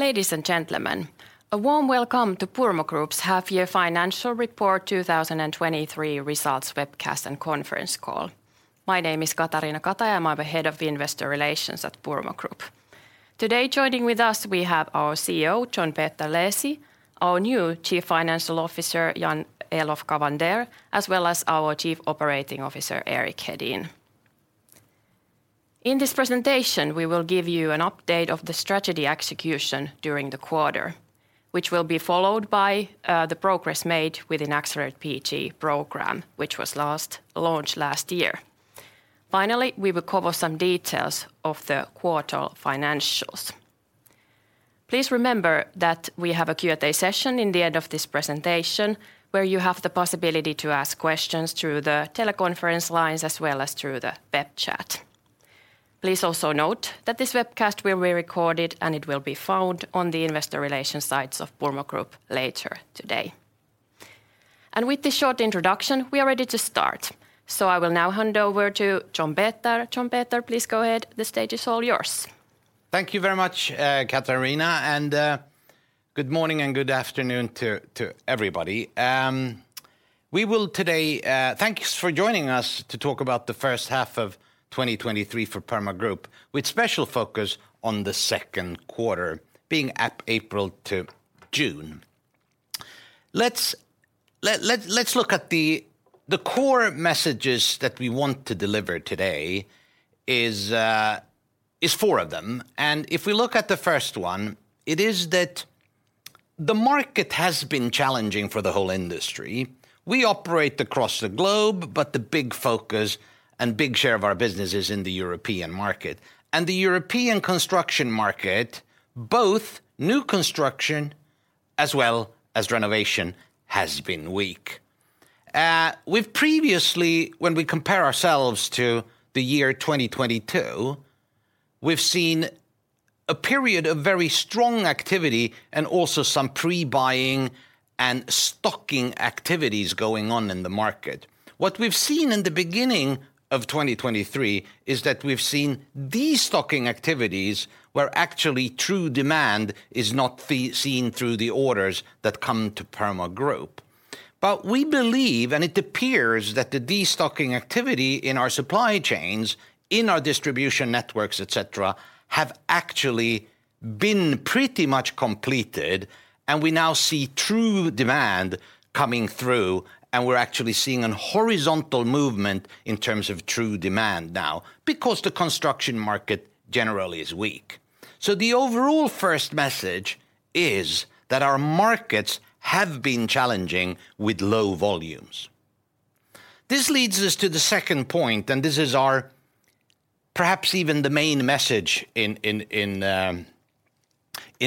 Ladies and gentlemen, a warm welcome to Purmo Group's half-year financial report 2023 results webcast and conference call. My name is Katariina Kataja, and I'm the Head of Investor Relations at Purmo Group. Today, joining with us, we have our CEO, John Peter Leesi, our new Chief Financial Officer, Jan-Elof Cavander, as well as our Chief Operating Officer, Erik Hedin. In this presentation, we will give you an update of the strategy execution during the quarter, which will be followed by the progress made with an Accelerate PG program, which was last launched last year. Finally, we will cover some details of the quarter financials. Please remember that we have a Q&A session in the end of this presentation, where you have the possibility to ask questions through the teleconference lines as well as through the web chat. Please also note that this webcast will be recorded, and it will be found on the investor relations sites of Purmo Group later today. With this short introduction, we are ready to start. I will now hand over to John-Peter. John-Peter, please go ahead. The stage is all yours. Thank you very much, Katariina, and good morning and good afternoon to everybody. Thanks for joining us to talk about the first half of 2023 for Purmo Group, with special focus on the second quarter, being at April to June. Let's look at the core messages that we want to deliver today is four of them, and if we look at the first one, it is that the market has been challenging for the whole industry. We operate across the globe, but the big focus and big share of our business is in the European market. The European construction market, both new construction as well as renovation, has been weak. We've previously, when we compare ourselves to the year 2022, we've seen a period of very strong activity and also some pre-buying and stocking activities going on in the market. What we've seen in the beginning of 2023 is that we've seen destocking activities, where actually true demand is not seen through the orders that come to Purmo Group. We believe, and it appears, that the destocking activity in our supply chains, in our distribution networks, et cetera, have actually been pretty much completed, and we now see true demand coming through, and we're actually seeing an horizontal movement in terms of true demand now, because the construction market generally is weak. The overall first message is that our markets have been challenging with low volumes. This leads us to the second point. This is our perhaps even the main message in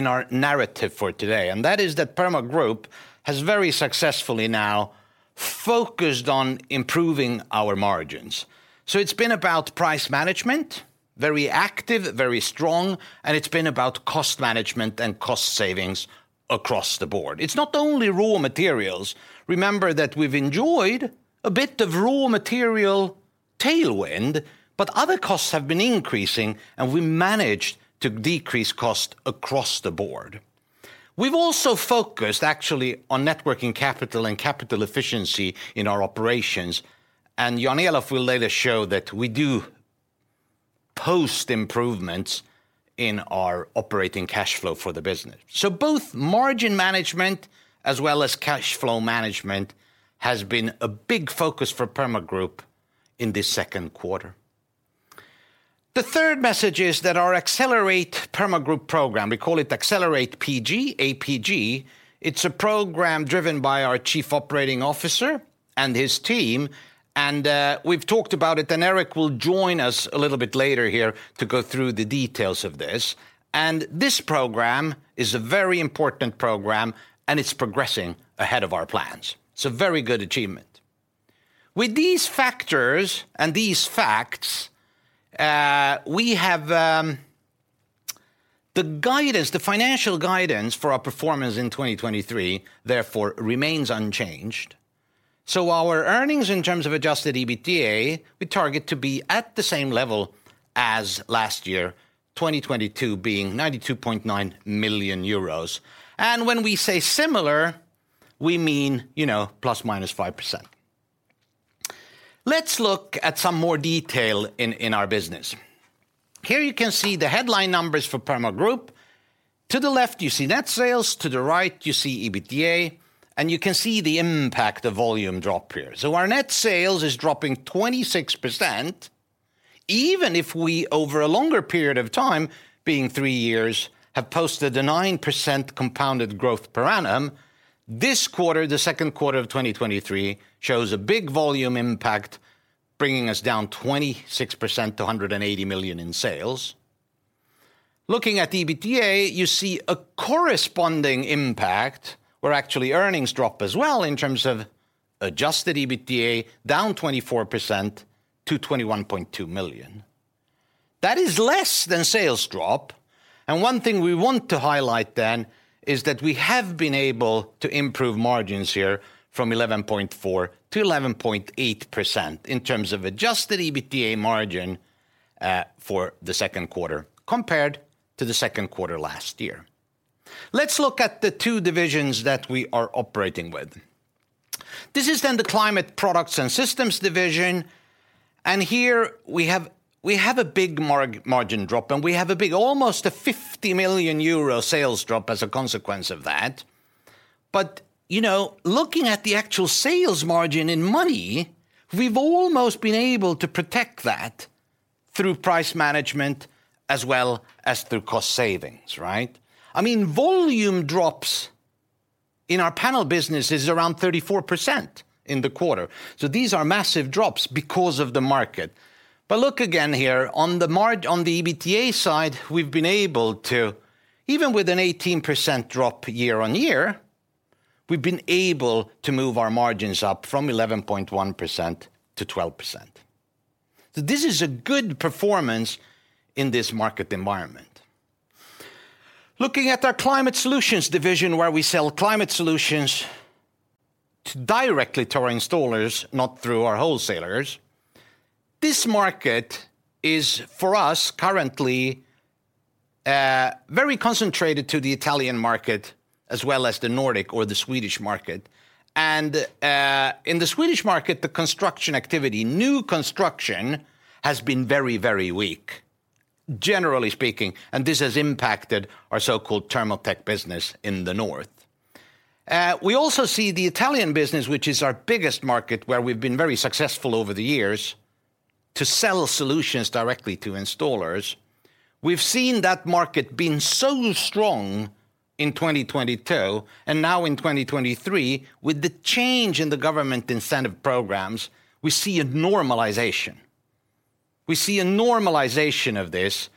our narrative for today. That is that Purmo Group has very successfully now focused on improving our margins. It's been about price management, very active, very strong, and it's been about cost management and cost savings across the board. It's not only raw materials. Remember that we've enjoyed a bit of raw material tailwind, but other costs have been increasing, and we managed to decrease cost across the board. We've also focused actually on networking capital and capital efficiency in our operations, and Jan-Elof will later show that we do post improvements in our operating cash flow for the business. Both margin management as well as cash flow management has been a big focus for Purmo Group in this second quarter. The third message is that our Accelerate Purmo Group program, we call it Accelerate PG, APG, it's a program driven by our chief operating officer and his team. Erik will join us a little bit later here to go through the details of this. This program is a very important program, and it's progressing ahead of our plans. It's a very good achievement. With these factors and these facts, we have the guidance, the financial guidance for our performance in 2023, therefore, remains unchanged. Our earnings in terms of Adjusted EBITDA, we target to be at the same level as last year, 2022 being 92.9 million euros. When we say similar, we mean, you know, ±5%. Let's look at some more detail in our business. Here you can see the headline numbers for Purmo Group. To the left, you see net sales, to the right, you see EBITDA, you can see the impact of volume drop here. Our net sales is dropping 26%, even if we, over a longer period of time, being three years, have posted a 9% compounded growth per annum. This quarter, the second quarter of 2023, shows a big volume impact, bringing us down 26% to 180 million in sales. Looking at the EBITDA, you see a corresponding impact, where actually earnings drop as well in terms of adjusted EBITDA, down 24% to 21.2 million. That is less than sales drop. One thing we want to highlight then, is that we have been able to improve margins here from 11.4% to 11.8% in terms of Adjusted EBITDA margin, for the second quarter compared to the second quarter last year. Let's look at the two divisions that we are operating with. This is then the Climate Products & Systems division. Here we have a big margin drop, and we have a big, almost a 50 million euro sales drop as a consequence of that. You know, looking at the actual sales margin in money, we've almost been able to protect that through price management as well as through cost savings, right? I mean, volume drops in our panel business is around 34% in the quarter. These are massive drops because of the market. Look again here, on the EBITDA side, we've been able to even with an 18% drop year-on-year, we've been able to move our margins up from 11.1% to 12%. This is a good performance in this market environment. Looking at our Climate Solutions division, where we sell climate solutions directly to our installers, not through our wholesalers, this market is, for us, currently, very concentrated to the Italian market, as well as the Nordic or the Swedish market. In the Swedish market, the construction activity, new construction, has been very, very weak, generally speaking, and this has impacted our so-called Thermotech business in the North. We also see the Italian business, which is our biggest market, where we've been very successful over the years, to sell solutions directly to installers. We've seen that market being so strong in 2022, now in 2023, with the change in the government incentive programs, we see a normalization. We see a normalization of this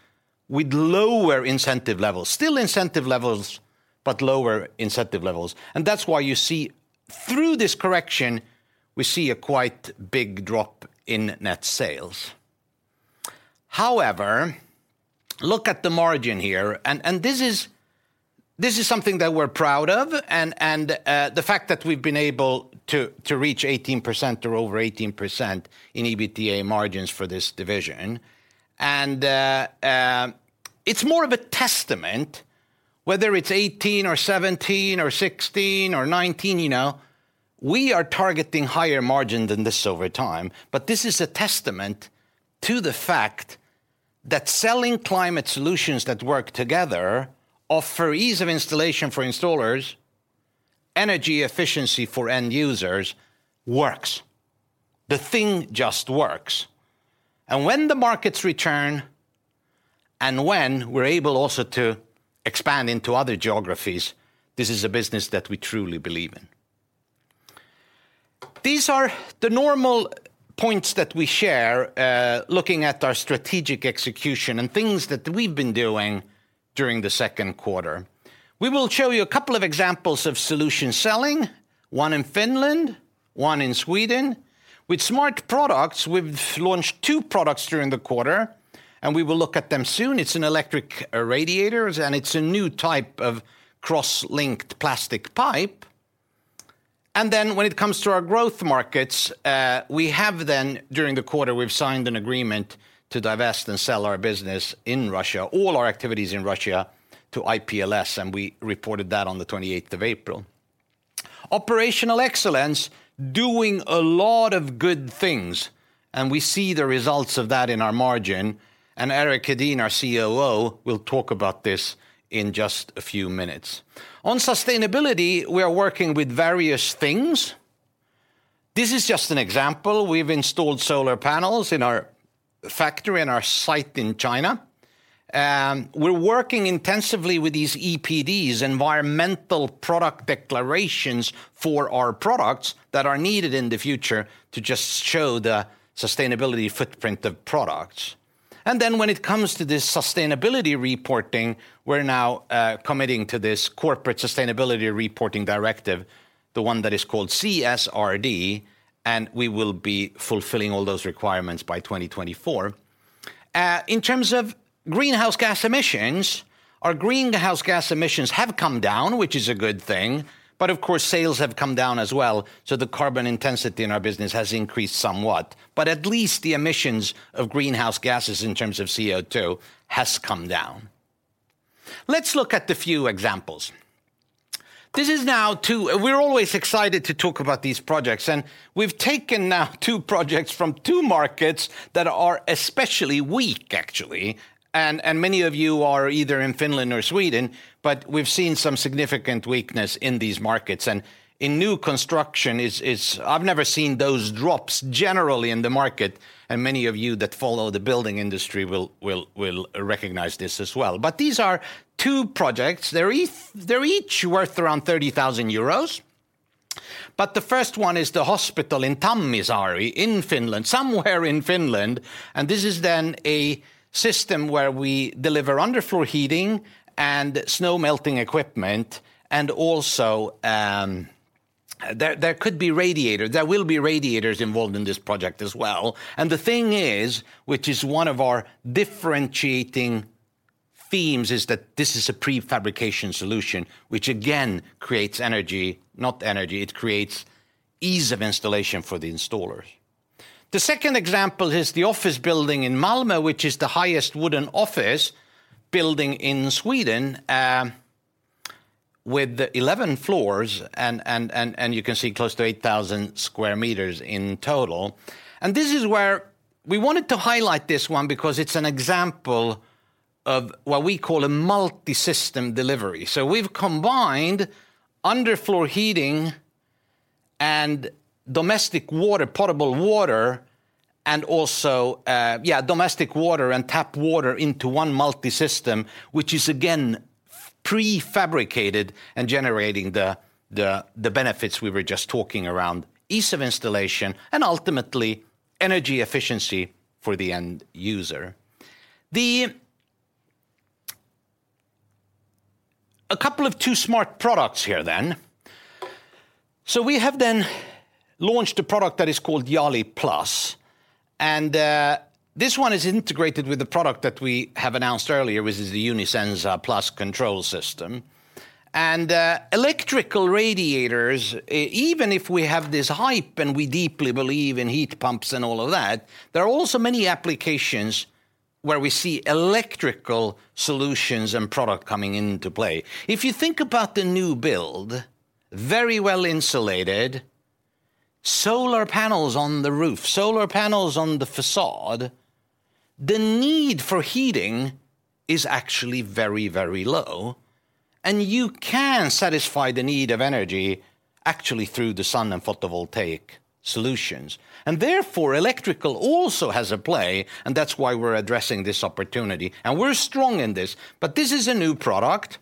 with lower incentive levels. Still incentive levels, but lower incentive levels, and that's why you see through this correction, we see a quite big drop in net sales. However, look at the margin here, and this is something that we're proud of, and the fact that we've been able to reach 18% or over 18% in EBITDA margins for this division. It's more of a testament, whether it's 18 or 17 or 16 or 19, you know, we are targeting higher margin than this over time. This is a testament to the fact that selling Climate Solutions that work together offer ease of installation for installers, energy efficiency for end users, works. The thing just works. When the markets return, and when we're able also to expand into other geographies, this is a business that we truly believe in. These are the normal points that we share, looking at our strategic execution and things that we've been doing during the second quarter. We will show you a couple of examples of solution selling, one in Finland, one in Sweden. With Smart Products, we've launched two products during the quarter, and we will look at them soon. It's an electric radiators, and it's a new type of cross-linked plastic pipe. When it comes to our growth markets, we have then, during the quarter, we've signed an agreement to divest and sell our business in Russia, all our activities in Russia, to IPLS. We reported that on the 28th of April. Operational excellence, doing a lot of good things, and we see the results of that in our margin. Erik Hedin, our COO, will talk about this in just a few minutes. On sustainability, we are working with various things. This is just an example. We've installed solar panels in our factory and our site in China. We're working intensively with these EPDs, environmental product declarations, for our products that are needed in the future to just show the sustainability footprint of products. When it comes to this sustainability reporting, we're now committing to this Corporate Sustainability Reporting Directive, the one that is called CSRD, and we will be fulfilling all those requirements by 2024. In terms of greenhouse gas emissions, our greenhouse gas emissions have come down, which is a good thing. Of course, sales have come down as well, so the carbon intensity in our business has increased somewhat. At least the emissions of greenhouse gases in terms of CO2 has come down. Let's look at a few examples. This is now. We're always excited to talk about these projects, and we've taken now two projects from two markets that are especially weak, actually. Many of you are either in Finland or Sweden, we've seen some significant weakness in these markets. In new construction, it's- I've never seen those drops generally in the market, and many of you that follow the building industry will recognize this as well. These are two projects. They're each worth around 30,000 euros, the first one is the hospital in Tammisaari, in Finland, somewhere in Finland, and this is then a system where we deliver underfloor heating and snow-melting equipment, and also, there will be radiators involved in this project as well. The thing is, which is one of our differentiating themes is that this is a prefabrication solution, which again creates energy, not energy, it creates ease of installation for the installers. The second example is the office building in Malmö, which is the highest wooden office building in Sweden, with 11 floors and you can see close to 8,000 square meters in total. This is where we wanted to highlight this one because it's an example of what we call a multisystem delivery. We've combined underfloor heating and domestic water, portable water, and also, yeah, domestic water and tap water into one multisystem, which is again, prefabricated and generating the benefits we were just talking around: ease of installation and ultimately energy efficiency for the end user. A couple of two smart products here then. We have then launched a product that is called Jali Plus, and this one is integrated with the product that we have announced earlier, which is the Unisenza Plus control system. Electrical radiators, even if we have this hype and we deeply believe in heat pumps and all of that, there are also many applications where we see electrical solutions and product coming into play. If you think about the new build, very well insulated, solar panels on the roof, solar panels on the facade, the need for heating is actually very, very low, and you can satisfy the need of energy actually through the sun and photovoltaic solutions. Therefore, electrical also has a play, and that's why we're addressing this opportunity, and we're strong in this. This is a new product.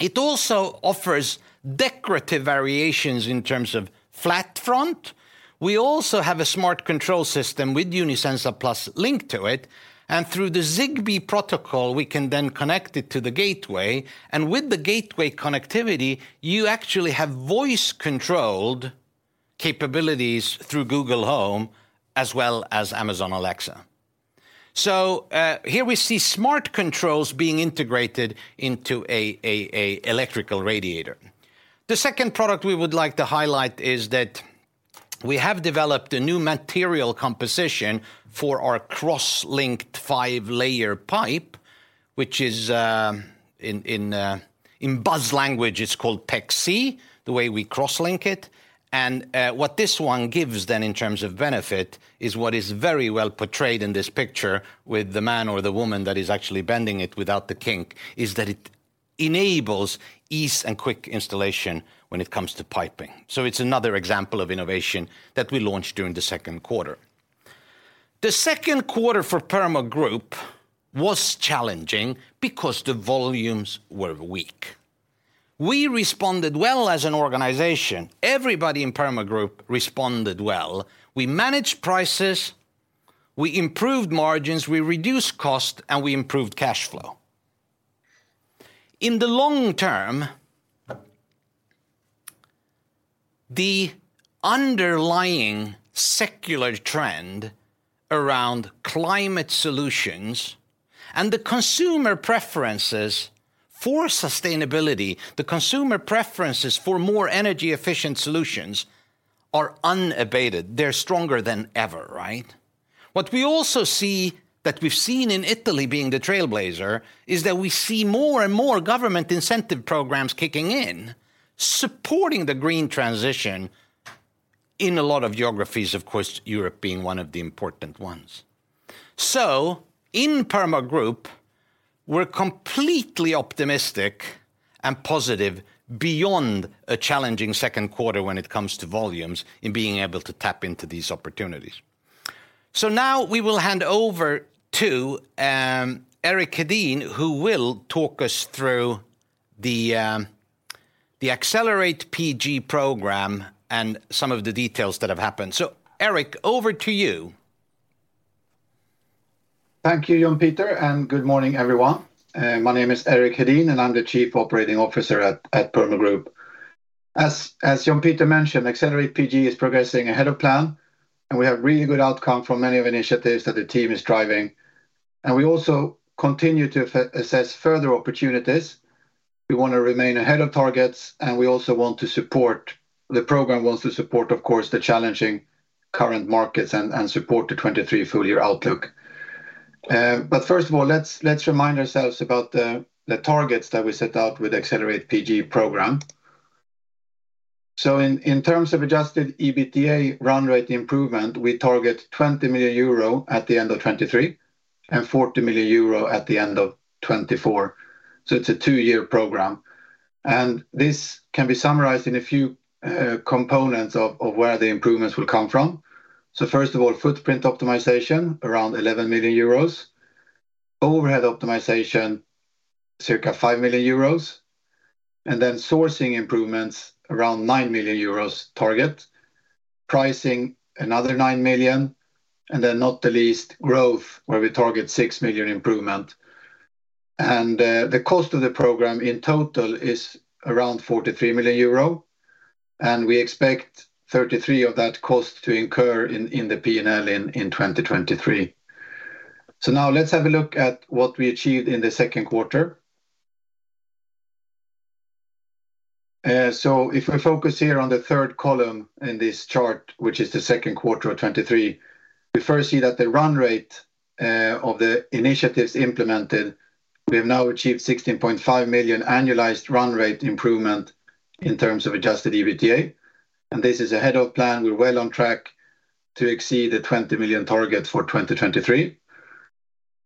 It also offers decorative variations in terms of flat front. We also have a smart control system with Unisenza Plus linked to it, and through the Zigbee protocol, we can then connect it to the gateway, and with the gateway connectivity, you actually have voice-controlled capabilities through Google Home as well as Amazon Alexa. Here we see smart controls being integrated into a electrical radiator. The second product we would like to highlight is that we have developed a new material composition for our cross-linked five-layer pipe, which is in buzz language, it's called PEX-c, the way we cross-link it. What this one gives then in terms of benefit is what is very well portrayed in this picture with the man or the woman that is actually bending it without the kink, is that it enables ease and quick installation when it comes to piping. It's another example of innovation that we launched during the second quarter. The second quarter for Purmo Group was challenging because the volumes were weak. We responded well as an organization. Everybody in Purmo Group responded well. We managed prices, we improved margins, we reduced cost, and we improved cash flow. In the long term, the underlying secular trend around Climate Solutions and the consumer preferences for sustainability, the consumer preferences for more energy-efficient solutions are unabated. They're stronger than ever, right? What we also see, that we've seen in Italy being the trailblazer, is that we see more and more government incentive programs kicking in, supporting the green transition in a lot of geographies, of course, Europe being one of the important ones. In Purmo Group, we're completely optimistic and positive beyond a challenging second quarter when it comes to volumes in being able to tap into these opportunities. Now we will hand over to Erik Hedin, who will talk us through the Accelerate PG program and some of the details that have happened. Erik, over to you. Thank you, John Peter. Good morning, everyone. My name is Erik Hedin, and I'm the Chief Operating Officer at Purmo Group. As John Peter mentioned, Accelerate PG is progressing ahead of plan, and we have really good outcome from many of initiatives that the team is driving, and we also continue to assess further opportunities. We want to remain ahead of targets, and the program wants to support, of course, the challenging current markets and support the 2023 full year outlook. First of all, let's remind ourselves about the targets that we set out with Accelerate PG program. In terms of Adjusted EBITDA run rate improvement, we target 20 million euro at the end of 2023, and 40 million euro at the end of 2024. It's a two year program, and this can be summarized in a few components of where the improvements will come from. First of all, footprint optimization, around 11 million euros. Overhead optimization, circa 5 million euros, and then sourcing improvements, around 9 million euros target. Pricing, another 9 million, and then not the least, growth, where we target 6 million improvement. The cost of the program in total is around 43 million euro, and we expect 33 million of that cost to incur in the PNL in 2023. Now let's have a look at what we achieved in the second quarter. If we focus here on the third column in this chart, which is the second quarter of 2023, we first see that the run rate of the initiatives implemented, we have now achieved 16.5 million annualized run rate improvement in terms of Adjusted EBITDA, and this is ahead of plan. We're well on track to exceed the 20 million target for 2023.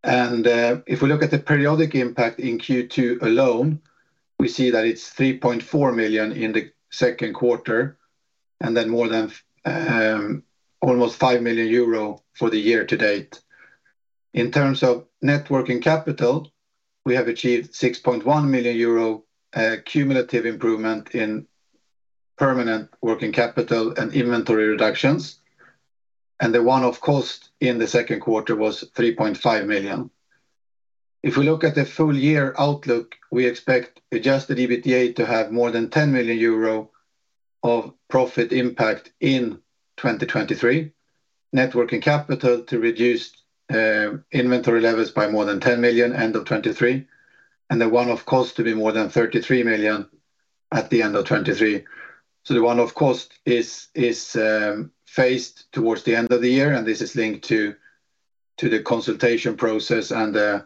If we look at the periodic impact in Q2 alone, we see that it's 3.4 million in the second quarter, and then more than almost 5 million euro for the year to date. In terms of net working capital, we have achieved 6.1 million euro cumulative improvement in permanent working capital and inventory reductions, and the one-off cost in the second quarter was 3.5 million. If we look at the full year outlook, we expect Adjusted EBITDA to have more than 10 million euro of profit impact in 2023, net working capital to reduce inventory levels by more than 10 million end of 2023, and the one-off cost to be more than 33 million at the end of 2023. The one-off cost is phased towards the end of the year, and this is linked to the consultation process and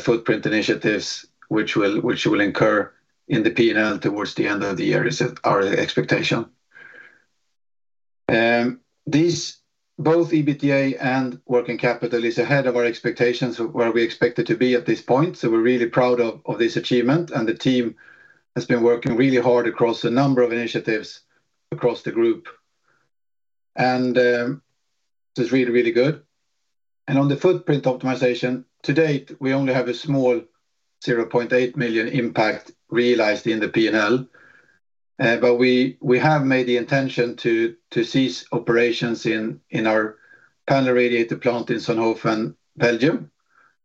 footprint initiatives, which will incur in the PNL towards the end of the year is our expectation. These, both EBITDA and working capital is ahead of our expectations of where we expected to be at this point, so we're really proud of this achievement, and the team has been working really hard across a number of initiatives across the group. This is really, really good. On the footprint optimization, to date, we only have a small 0.8 million impact realized in the PNL. We have made the intention to cease operations in our panel radiator plant in Zonhoven, Belgium,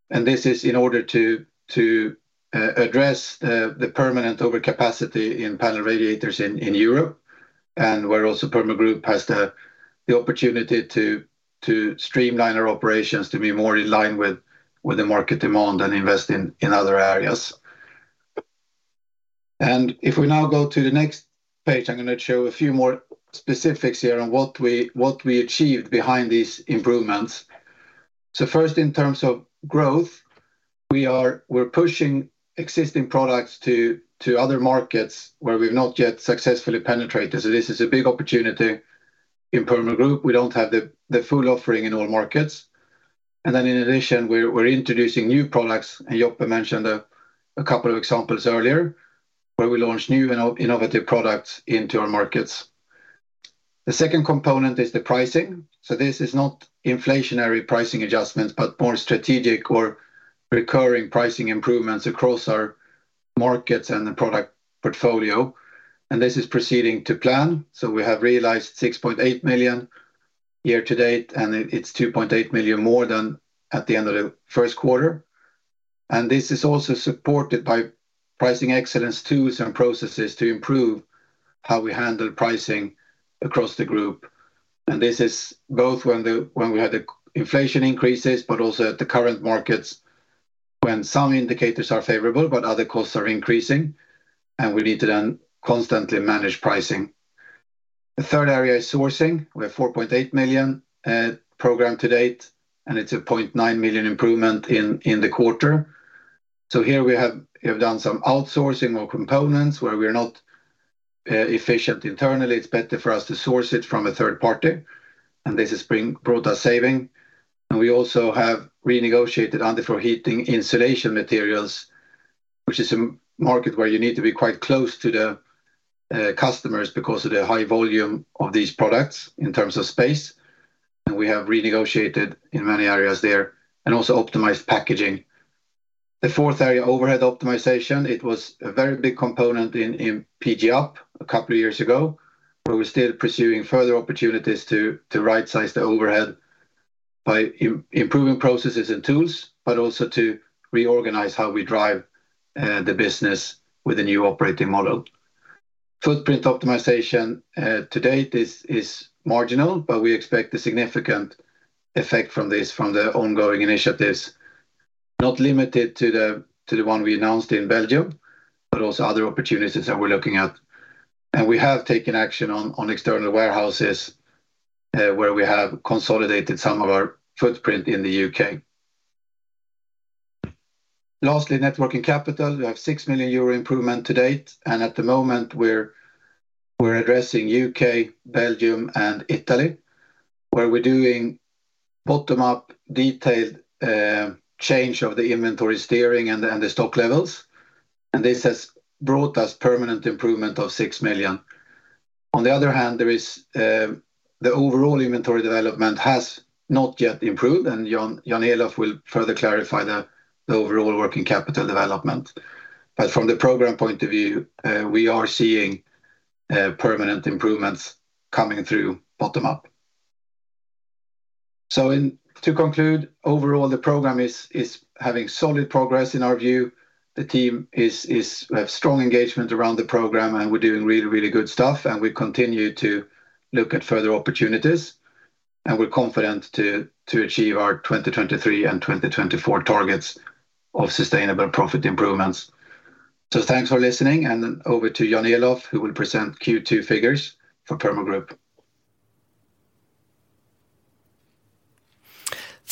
and this is in order to address the permanent overcapacity in panel radiators in Europe. We're also Purmo Group has the opportunity to streamline our operations to be more in line with the market demand and invest in other areas. If we now go to the next page, I'm gonna show a few more specifics here on what we achieved behind these improvements. First, in terms of growth, we're pushing existing products to other markets where we've not yet successfully penetrated, this is a big opportunity in Purmo Group. We don't have the full offering in all markets. In addition, we're introducing new products, and John Peter mentioned a couple of examples earlier, where we launched new and innovative products into our markets. The second component is the pricing. This is not inflationary pricing adjustments, but more strategic or recurring pricing improvements across our markets and the product portfolio, and this is proceeding to plan. We have realized 6.8 million year to date, and it's 2.8 million more than at the end of the first quarter. This is also supported by pricing excellence tools and processes to improve how we handle pricing across the group, and this is both when we had the inflation increases, but also at the current markets, when some indicators are favorable, but other costs are increasing, and we need to then constantly manage pricing. The third area is sourcing. We have 4.8 million program to date, and it's a 0.9 million improvement in the quarter. Here we have done some outsourcing of components where we are not efficient internally. It's better for us to source it from a third party, and this has brought us saving. We also have renegotiated underfloor heating insulation materials, which is a market where you need to be quite close to the customers because of the high volume of these products in terms of space, and we have renegotiated in many areas there and also optimized packaging. The fourth area, overhead optimization, it was a very big component in PG Up a couple of years ago, but we're still pursuing further opportunities to rightsize the overhead by improving processes and tools, but also to reorganize how we drive the business with a new operating model. Footprint optimization to date is marginal, but we expect a significant effect from this, from the ongoing initiatives, not limited to the one we announced in Belgium, but also other opportunities that we're looking at. We have taken action on external warehouses, where we have consolidated some of our footprint in the UK. Lastly, net working capital. We have 6 million euro improvement to date, and at the moment, we're addressing UK, Belgium, and Italy, where we're doing bottom-up, detailed, change of the inventory steering and the stock levels, and this has brought us permanent improvement of 6 million. On the other hand, there is the overall inventory development has not yet improved, and Jan-Elof will further clarify the overall working capital development. From the program point of view, we are seeing permanent improvements coming through bottom-up. In to conclude, overall, the program is having solid progress in our view. We have strong engagement around the program, and we're doing really, really good stuff, and we continue to look at further opportunities, and we're confident to achieve our 2023 and 2024 targets of sustainable profit improvements. Thanks for listening, over to Jan-Elof, who will present Q2 figures for Purmo Group.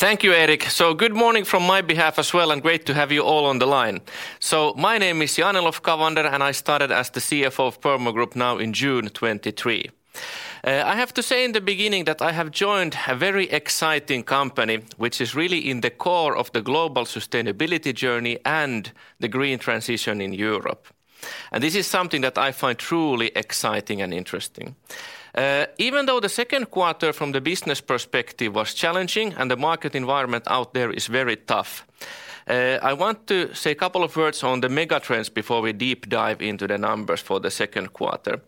Thank you, Erik. Good morning from my behalf as well, and great to have you all on the line. My name is Jan-Elof Cavander, and I started as the CFO of Purmo Group now in June 2023. I have to say in the beginning that I have joined a very exciting company, which is really in the core of the global sustainability journey and the green transition in Europe. This is something that I find truly exciting and interesting. Even though the second quarter from the business perspective was challenging and the market environment out there is very tough, I want to say a couple of words on the mega trends before we deep dive into the numbers for the second quarter.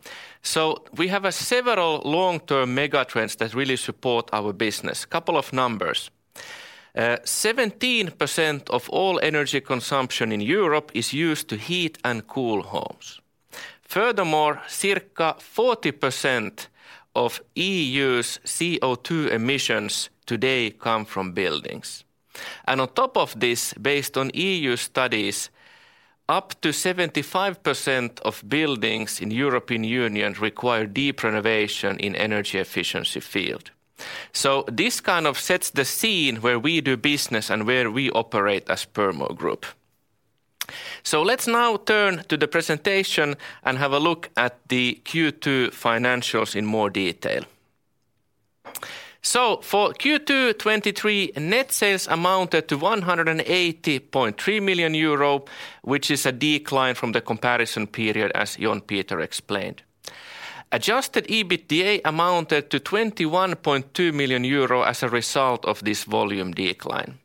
We have a several long-term mega trends that really support our business. Couple of numbers. 17% of all energy consumption in Europe is used to heat and cool homes. Furthermore, circa 40% of EU's CO2 emissions today come from buildings. On top of this, based on EU studies, up to 75% of buildings in European Union require deep renovation in energy efficiency field. This kind of sets the scene where we do business and where we operate as Purmo Group. Let's now turn to the presentation and have a look at the Q2 financials in more detail. For Q2 2023, net sales amounted to 180.3 million euro, which is a decline from the comparison period, as John Peter explained. Adjusted EBITDA amounted to 21.2 million euro as a result of this volume decline.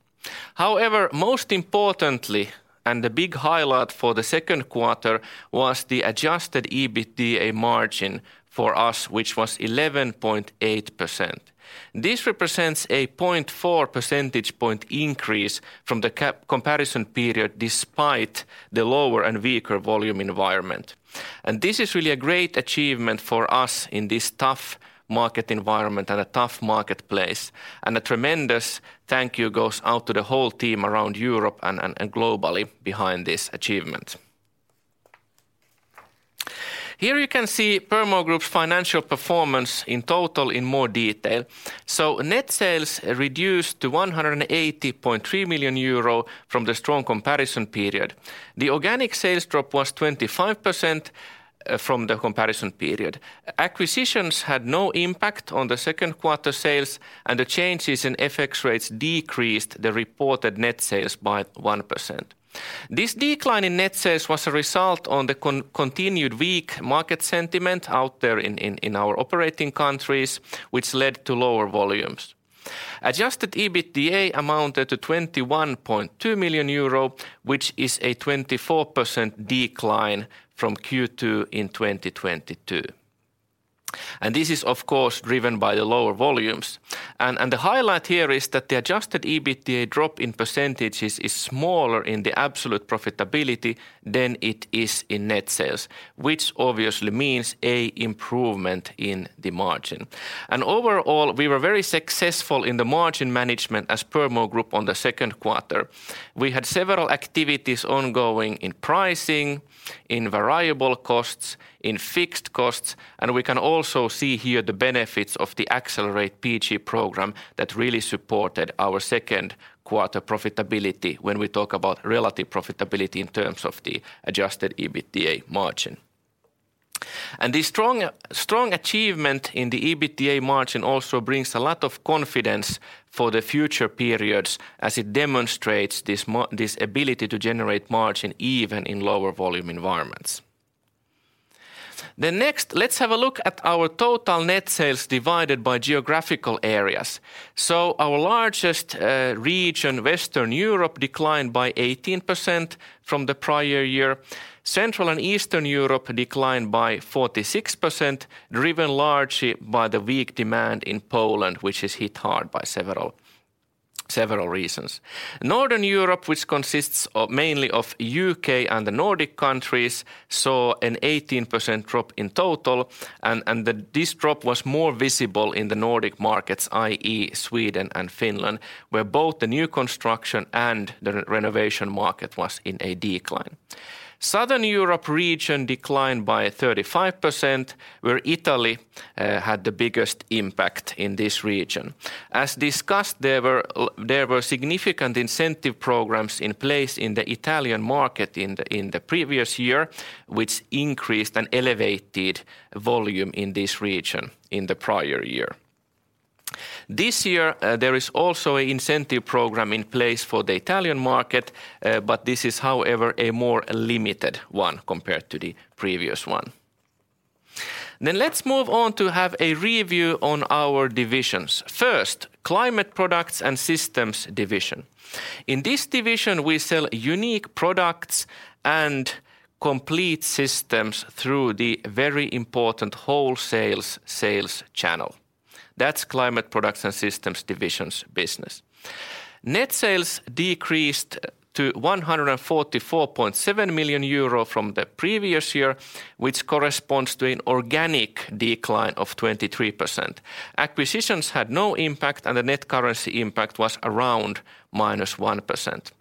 However, most importantly, and the big highlight for the second quarter was the Adjusted EBITDA margin for us, which was 11.8%. This represents a 0.4 percentage point increase from the comparison period, despite the lower and weaker volume environment. This is really a great achievement for us in this tough market environment and a tough marketplace, and a tremendous thank you goes out to the whole team around Europe and globally behind this achievement. Here you can see Purmo Group's financial performance in total in more detail. Net sales reduced to 180.3 million euro from the strong comparison period. The organic sales drop was 25% from the comparison period. Acquisitions had no impact on the second quarter sales, and the changes in FX rates decreased the reported net sales by 1%. This decline in net sales was a result on the continued weak market sentiment out there in our operating countries, which led to lower volumes. Adjusted EBITDA amounted to 21.2 million euro, which is a 24% decline from Q2 in 2022. This is, of course, driven by the lower volumes. The highlight here is that the adjusted EBITDA drop in percentages is smaller in the absolute profitability than it is in net sales, which obviously means a improvement in the margin. Overall, we were very successful in the margin management as Purmo Group on the second quarter. We had several activities ongoing in pricing, in variable costs, in fixed costs, and we can also see here the benefits of the Accelerate PG program that really supported our second quarter profitability when we talk about relative profitability in terms of the Adjusted EBITDA margin. The strong achievement in the EBITDA margin also brings a lot of confidence for the future periods as it demonstrates this ability to generate margin even in lower volume environments. Next, let's have a look at our total net sales divided by geographical areas. Our largest region, Western Europe, declined by 18% from the prior year. Central and Eastern Europe declined by 46%, driven largely by the weak demand in Poland, which is hit hard by several reasons. Northern Europe, which consists mainly of U.K. and the Nordic countries, saw an 18% drop in total, and this drop was more visible in the Nordic markets, i.e., Sweden and Finland, where both the new construction and the renovation market was in a decline. Southern Europe region declined by 35%, where Italy had the biggest impact in this region. As discussed, there were significant incentive programs in place in the Italian market in the previous year, which increased and elevated volume in this region in the prior year. This year, there is also an incentive program in place for the Italian market, but this is, however, a more limited one compared to the previous one. Let's move on to have a review on our divisions. First, Climate Products & Systems division. In this division, we sell unique products and complete systems through the very important wholesales sales channel. That's Climate Products & Systems Division's business. Net sales decreased to 144.7 million euro from the previous year, which corresponds to an organic decline of 23%. Acquisitions had no impact, and the net currency impact was around minus 1%.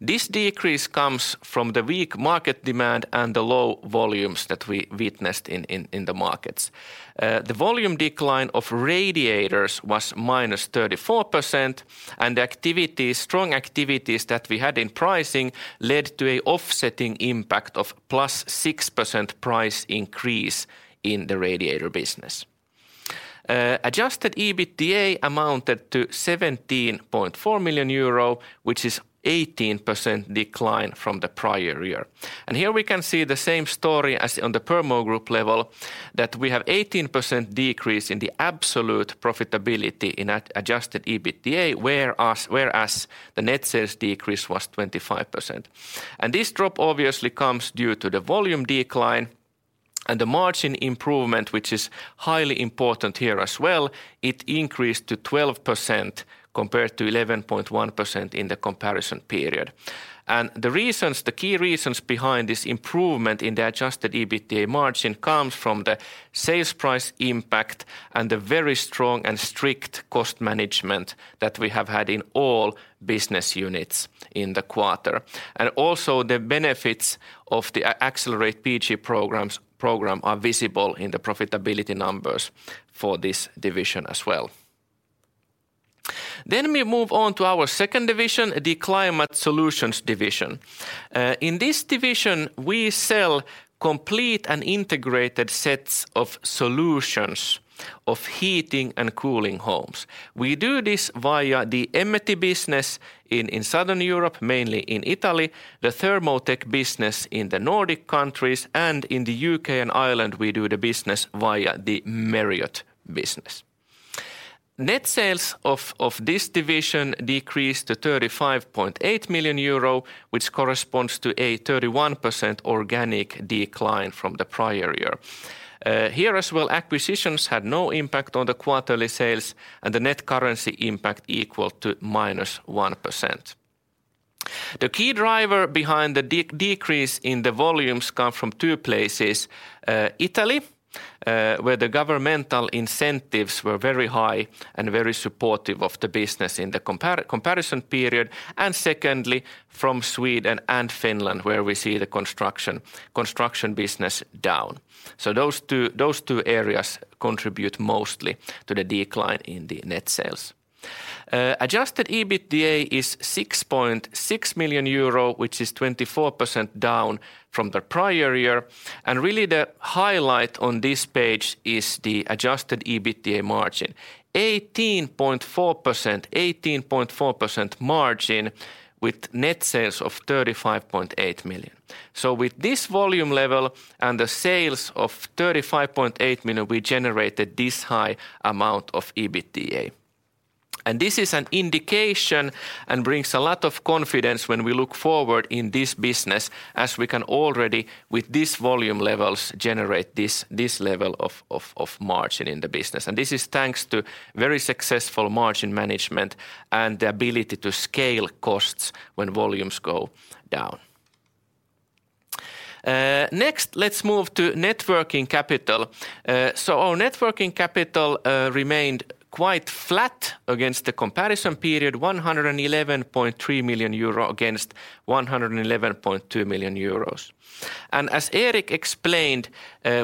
This decrease comes from the weak market demand and the low volumes that we witnessed in the markets. The volume decline of radiators was minus 34%, and the strong activities that we had in pricing led to an offsetting impact of plus 6% price increase in the radiator business. Adjusted EBITDA amounted to 17.4 million euro, which is 18% decline from the prior year. Here we can see the same story as on the Purmo Group level, that we have 18% decrease in the absolute profitability in adjusted EBITDA, whereas the net sales decrease was 25%. This drop obviously comes due to the volume decline and the margin improvement, which is highly important here as well. It increased to 12% compared to 11.1% in the comparison period. The reasons, the key reasons behind this improvement in the adjusted EBITDA margin comes from the sales price impact and the very strong and strict cost management that we have had in all business units in the quarter. Also, the benefits of the Accelerate PG program are visible in the profitability numbers for this division as well. We move on to our second division, the Climate Solutions division. In this division, we sell complete and integrated sets of solutions of heating and cooling homes. We do this via the Emmeti business in Southern Europe, mainly in Italy, the Thermotech business in the Nordic countries, and in the UK and Ireland, we do the business via the Merriott business. Net sales of this division decreased to 35.8 million euro, which corresponds to a 31% organic decline from the prior year. Here as well, acquisitions had no impact on the quarterly sales, and the net currency impact equal to minus 1%. The key driver behind the decrease in the volumes come from two places, Italy, where the governmental incentives were very high and very supportive of the business in the comparison period, and secondly, from Sweden and Finland, where we see the construction business down. Those two areas contribute mostly to the decline in the net sales. Adjusted EBITDA is 6.6 million euro, which is 24% down from the prior year. Really, the highlight on this page is the Adjusted EBITDA margin, 18.4%, 18.4% margin with net sales of 35.8 million. With this volume level and the sales of 35.8 million, we generated this high amount of EBITDA. This is an indication and brings a lot of confidence when we look forward in this business, as we can already, with these volume levels, generate this level of margin in the business. This is thanks to very successful margin management and the ability to scale costs when volumes go down. Next, let's move to networking capital. Our networking capital remained quite flat against the comparison period, 111.3 million euro against 111.2 million euros. As Erik explained,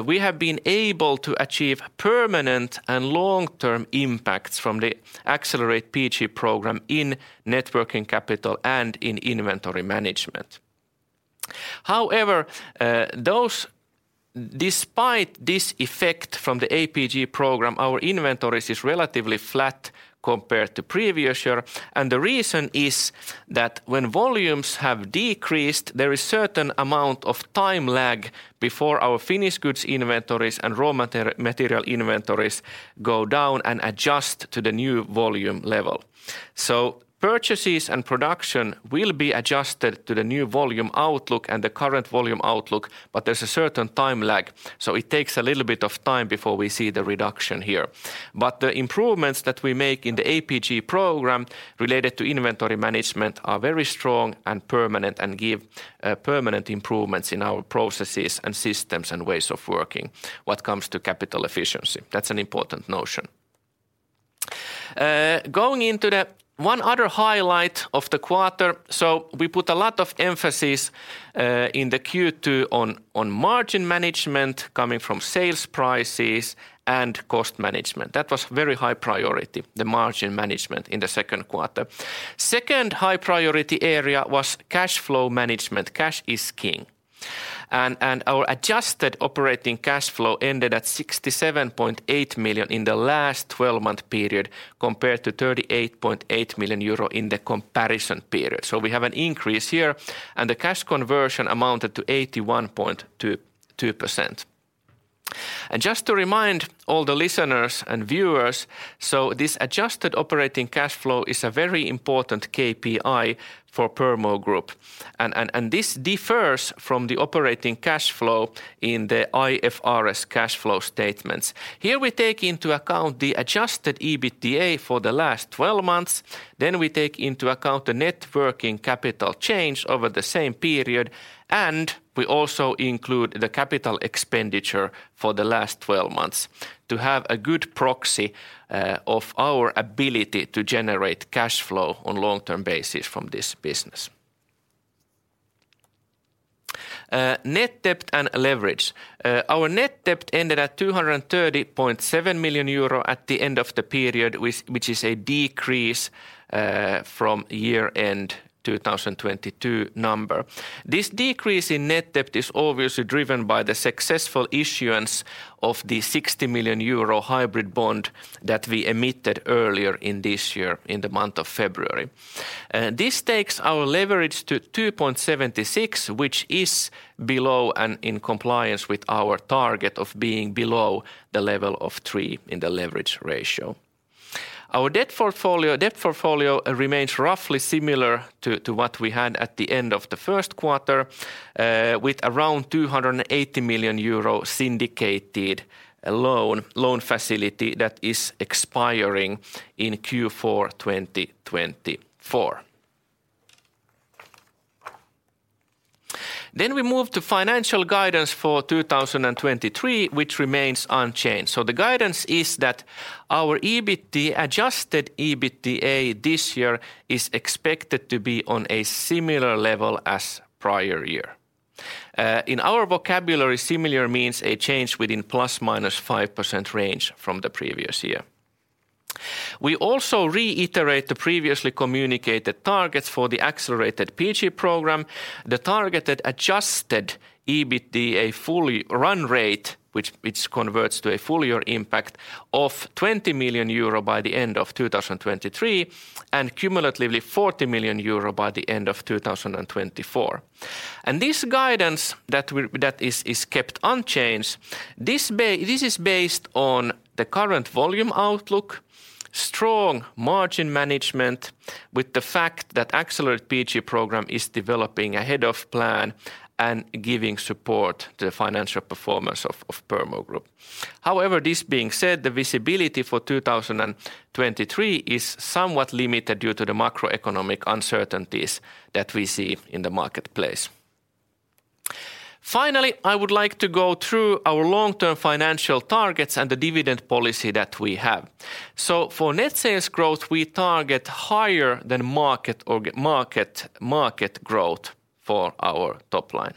we have been able to achieve permanent and long-term impacts from the Accelerate PG program in networking capital and in inventory management. However, despite this effect from the APG program, our inventories is relatively flat compared to previous year. The reason is that when volumes have decreased, there is certain amount of time lag before our finished goods inventories and raw material inventories go down and adjust to the new volume level. Purchases and production will be adjusted to the new volume outlook and the current volume outlook, but there's a certain time lag, so it takes a little bit of time before we see the reduction here. The improvements that we make in the APG program related to inventory management are very strong and permanent, and give permanent improvements in our processes and systems and ways of working, what comes to capital efficiency. That's an important notion. Going into the one other highlight of the quarter, we put a lot of emphasis in the Q2 on margin management coming from sales prices and cost management. That was very high priority, the margin management in the second quarter. Second high priority area was cash flow management. Cash is king. Our adjusted operating cash flow ended at 67.8 million in the last 12-month period, compared to 38.8 million euro in the comparison period. We have an increase here, and the cash conversion amounted to 81.22%. Just to remind all the listeners and viewers, this adjusted operating cash flow is a very important KPI for Purmo Group. This differs from the operating cash flow in the IFRS cash flow statements. Here, we take into account the Adjusted EBITDA for the last 12 months, then we take into account the net working capital change over the same period, and we also include the capital expenditure for the last 12 months to have a good proxy of our ability to generate cash flow on long-term basis from this business. Net debt and leverage. Our net debt ended at 230.7 million euro at the end of the period, which is a decrease from year-end 2022 number. This decrease in net debt is obviously driven by the successful issuance of the 60 million euro hybrid bond that we emitted earlier in this year, in the month of February. This takes our leverage to 2.76, which is below and in compliance with our target of being below the level of three in the leverage ratio. Our debt portfolio remains roughly similar to what we had at the end of the first quarter, with around 280 million euro syndicated loan facility that is expiring in Q4 2024. We move to financial guidance for 2023, which remains unchanged. The guidance is that our EBIT, Adjusted EBITDA this year is expected to be on a similar level as prior year. In our vocabulary, similar means a change within ±5% range from the previous year. We also reiterate the previously communicated targets for the Accelerated PG program, the targeted Adjusted EBITDA fully run rate, which converts to a full year impact of 20 million euro by the end of 2023, and cumulatively 40 million euro by the end of 2024. This guidance that is kept unchanged, this is based on the current volume outlook, strong margin management, with the fact that Accelerated PG program is developing ahead of plan and giving support to the financial performance of Purmo Group. However, this being said, the visibility for 2023 is somewhat limited due to the macroeconomic uncertainties that we see in the marketplace. Finally, I would like to go through our long-term financial targets and the dividend policy that we have. For net sales growth, we target higher than market growth for our top line.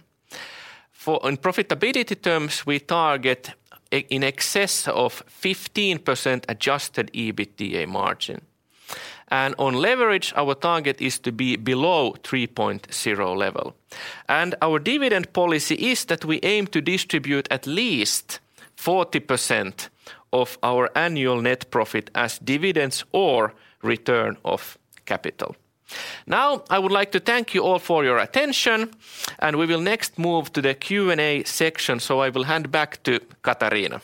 On profitability terms, we target in excess of 15% Adjusted EBITDA margin. On leverage, our target is to be below 3.0 level. Our dividend policy is that we aim to distribute at least 40% of our annual net profit as dividends or return of capital. I would like to thank you all for your attention, and we will next move to the Q&A section. I will hand back to Katariina.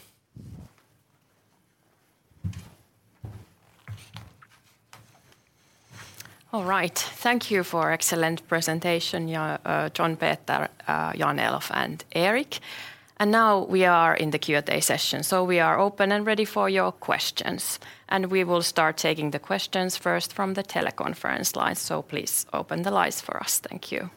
All right. Thank you for excellent presentation, John Peter, Jan-Elof, and Erik. Now we are in the Q&A session, so we are open and ready for your questions. We will start taking the questions first from the teleconference lines. So please open the lines for us. Thank you.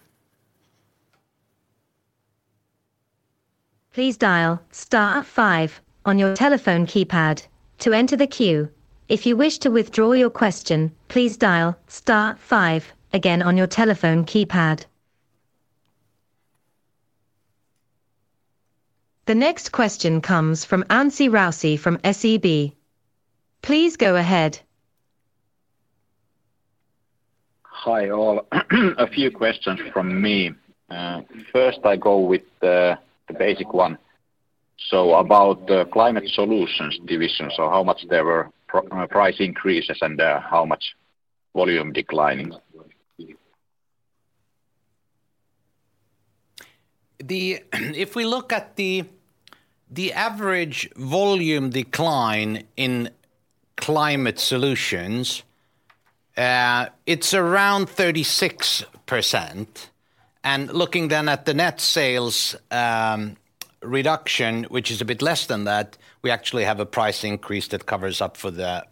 Please dial star five on your telephone keypad to enter the queue. If you wish to withdraw your question, please dial star five again on your telephone keypad. The next question comes from Anssi Raussi from SEB. Please go ahead. Hi, all. A few questions from me. First, I go with the basic one. About the Climate Solutions division, how much there were price increases and how much volume declining? If we look at the average volume decline in Climate Solutions, it's around 36%. Looking then at the net sales reduction, which is a bit less than that, we actually have a price increase that covers up for the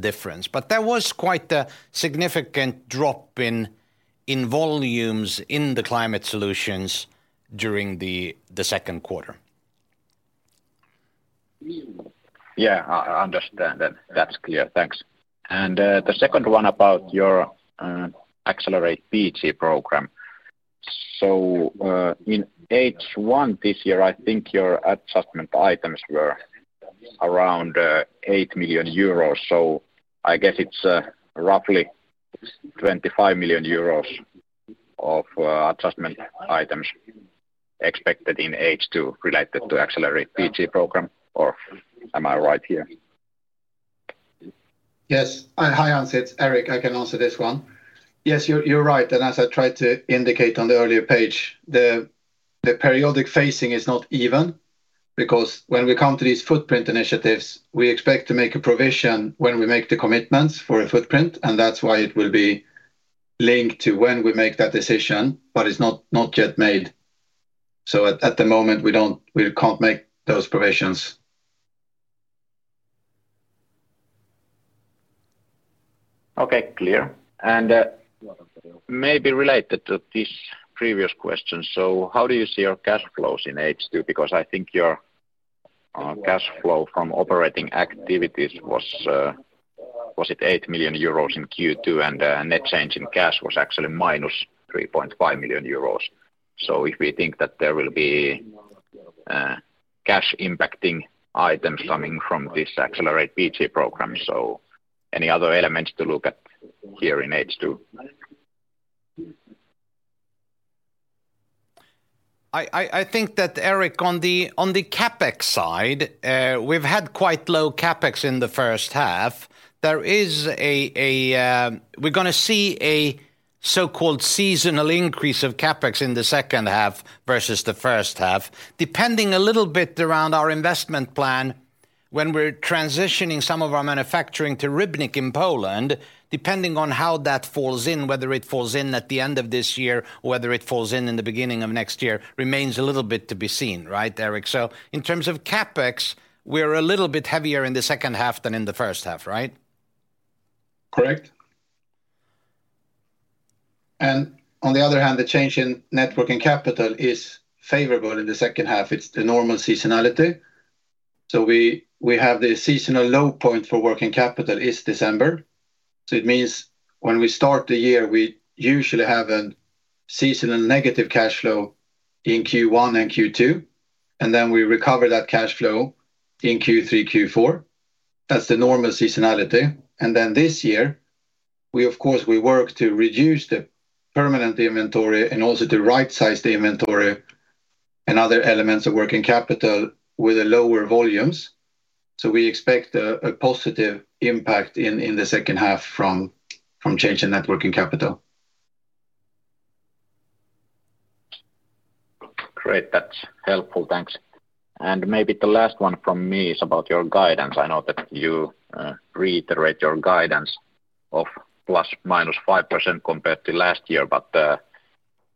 difference. There was quite a significant drop in volumes in the Climate Solutions during the second quarter. I understand that. That's clear. Thanks. The second one about your Accelerate PG program. In H1 this year, I think your adjustment items were around 8 million euros. I guess it's roughly 25 million euros of adjustment items expected in H2 related to Accelerate PG program, or am I right here? Yes. Hi, Anssi, it's Erik. I can answer this one. Yes, you're right, as I tried to indicate on the earlier page, the periodic phasing is not even, because when we come to these footprint initiatives, we expect to make a provision when we make the commitments for a footprint, and that's why it will be linked to when we make that decision, but it's not yet made. At the moment, we can't make those provisions. Okay, clear. Maybe related to this previous question, how do you see your cash flows in H2? Because I think your cash flow from operating activities was it 8 million euros in Q2, net change in cash was actually minus 3.5 million euros. If we think that there will be cash impacting items coming from this Accelerate PG program, any other elements to look at here in H2? I think that, Erik, on the CapEx side, we've had quite low CapEx in the first half. There is a so-called seasonal increase of CapEx in the second half versus the first half, depending a little bit around our investment plan when we're transitioning some of our manufacturing to Rybnik in Poland, depending on how that falls in, whether it falls in at the end of this year, whether it falls in the beginning of next year, remains a little bit to be seen. Right, Erik? In terms of CapEx, we're a little bit heavier in the second half than in the first half, right? Correct. On the other hand, the change in net working capital is favorable in the second half. It's the normal seasonality. We have the seasonal low point for working capital is December, so it means when we start the year, we usually have a seasonal negative cash flow in Q1 and Q2. We recover that cash flow in Q3, Q4. That's the normal seasonality. This year, we, of course, work to reduce the permanent inventory and also to right size the inventory and other elements of working capital with the lower volumes. We expect a positive impact in the second half from change in net working capital. Great, that's helpful. Thanks. Maybe the last one from me is about your guidance. I know that you reiterate your guidance of ±5% compared to last year,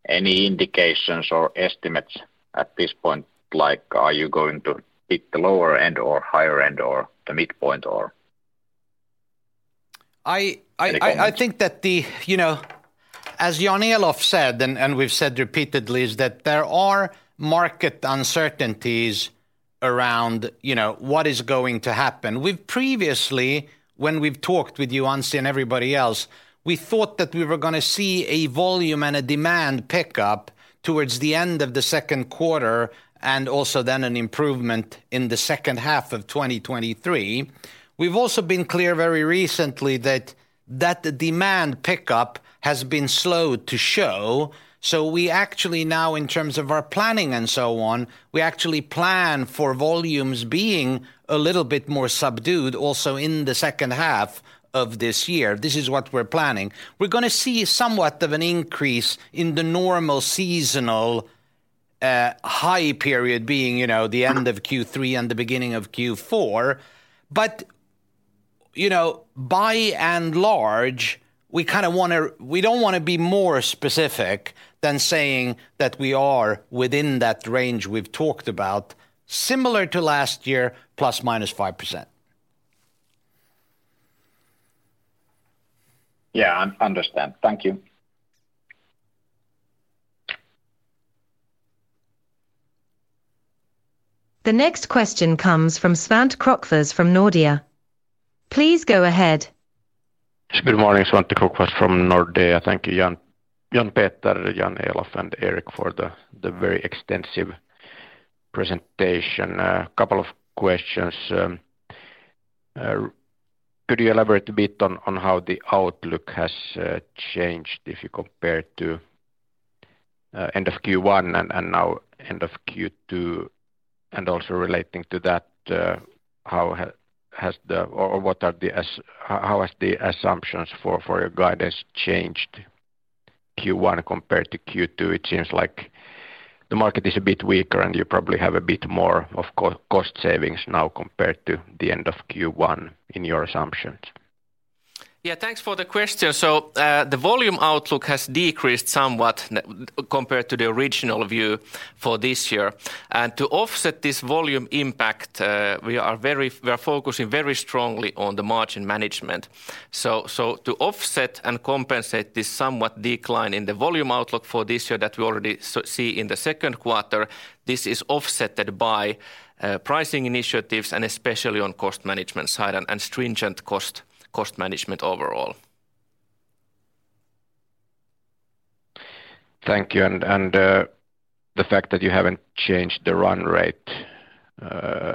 any indications or estimates at this point, like, are you going to pick the lower end, or higher end, or the midpoint, or? I, I- Any comments? I think that the, you know, as Jan-Elof said, and we've said repeatedly, is that there are market uncertainties around, you know, what is going to happen. We've previously, when we've talked with you, Anse, and everybody else, we thought that we were gonna see a volume and a demand pickup towards the end of the second quarter, and also an improvement in the second half of 2023. We've also been clear very recently that the demand pickup has been slow to show, we actually now, in terms of our planning and so on, we actually plan for volumes being a little bit more subdued also in the second half of this year. This is what we're planning. We're gonna see somewhat of an increase in the normal seasonal high period being, you know, the end of Q3 and the beginning of Q4. you know, by and large, we kind of don't wanna be more specific than saying that we are within that range we've talked about, similar to last year, ±5%. I understand. Thank you. The next question comes from Svante Krokfors from Nordea. Please go ahead. Good morning, Svante Krokfors from Nordea. Thank you, Jan-Peter, Jan-Elof, and Erik for the very extensive presentation. Couple of questions. Could you elaborate a bit on how the outlook has changed if you compare to end of Q1 and now end of Q2? Also relating to that, how has the. Or what are the assumptions for your guidance changed Q1 compared to Q2? It seems like the market is a bit weaker, you probably have a bit more of cost savings now, compared to the end of Q1 in your assumptions. Yeah, thanks for the question. The volume outlook has decreased somewhat compared to the original view for this year. To offset this volume impact, we are focusing very strongly on the margin management. To offset and compensate this somewhat decline in the volume outlook for this year that we already see in the second quarter, this is offset by pricing initiatives, and especially on cost management side and stringent cost management overall. Thank you. The fact that you haven't changed the run rate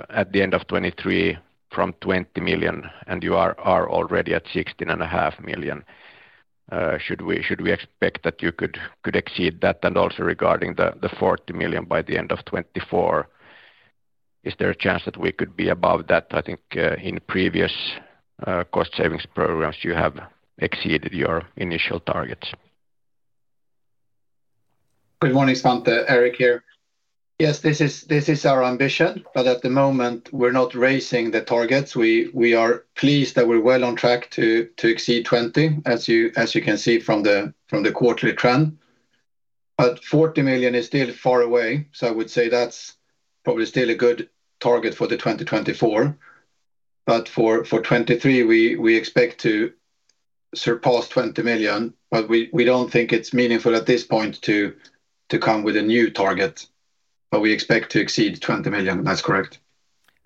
at the end of 2023 from 20 million, and you are already at 16.5 million, should we expect that you could exceed that? Regarding the 40 million by the end of 2024. Is there a chance that we could be above that? I think, in previous cost savings programs, you have exceeded you r initial targets. Good morning, Svante. Erik here. Yes, this is our ambition. At the moment we're not raising the targets. We are pleased that we're well on track to exceed 20 million, as you can see from the quarterly trend. Forty million is still far away, so I would say that's probably still a good target for 2024. For 2023, we expect to surpass 20 million, but we don't think it's meaningful at this point to come with a new target. We expect to exceed 20 million, that's correct.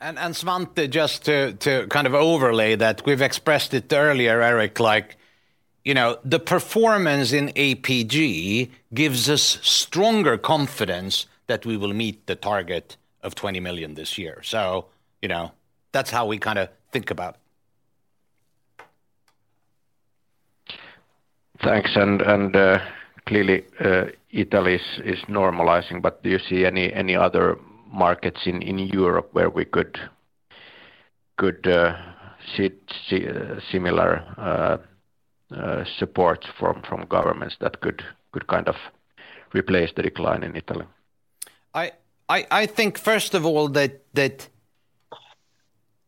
Svante, just to kind of overlay that, we've expressed it earlier, Erik, like, you know, the performance in APG gives us stronger confidence that we will meet the target of 20 million this year. You know, that's how we kind of think about it. Thanks. clearly, Italy is normalizing, but do you see any other markets in Europe where we could see similar support from governments that could kind of replace the decline in Italy? I think, first of all, that